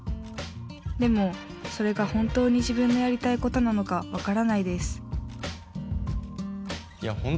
でもそれが本当に自分のやりたいことなのか分からないです」。